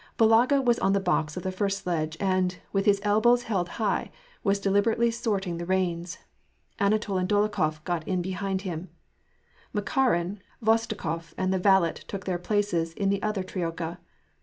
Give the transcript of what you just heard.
Balaga was on the box of the first sledge and, with his elbows held high, was deliberately sorting the reins. Anatol and Dolokhof got in behind him ; Makarin, Khvostikof , and the valet took their places in the other troika.